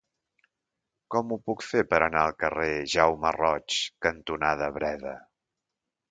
Com ho puc fer per anar al carrer Jaume Roig cantonada Breda?